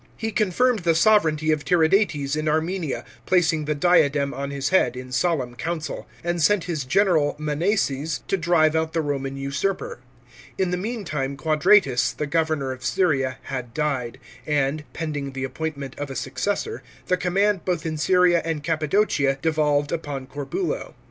He confirmed the sovranty of Tiridates in Armenia, placing the diadem on his head in solemn council ; and sent his general Monseses to drive out the Roman usurper. In the meantime Quadratus, the governor of Syria, had died, and, pending the appointment of a successor, the command both in Syria and Cappadocia, devolved upon Corbulo.